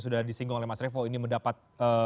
sudah disinggung oleh mas revo ini mendapat